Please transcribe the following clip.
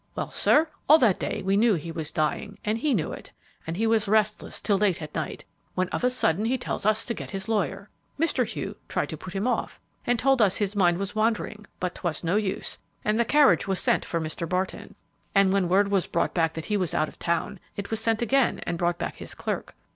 Well, sir, all that day we knew he was dying, and he knew it, and he was restless till late at night, when of a sudden he tells us to get his lawyer. Mr. Hugh tried to put him off, and told us his mind was wandering; but 'twas no use; and the carriage was sent for Mr. Barton, and when word was brought back that he was out of town, it was sent again and brought back his clerk.